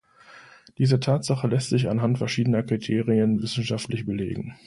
Diese Tatsache lässt sich anhand verschiedener Kriterien wissenschaftlich belegen.